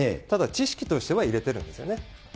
ただ、知識としては入れてるんですよね。